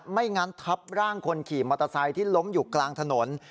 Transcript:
ไม่งั้นทับร่างคนขี่มอเตอร์ไซค์ที่ล้มอยู่กลางถนน